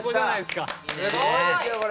すごいですよこれ。